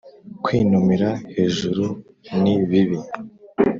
kwinumira hejuru ni bibi